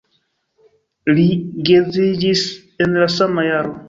Li geedziĝis en la sama jaro.